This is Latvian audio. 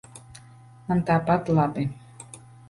Man tāpat labi.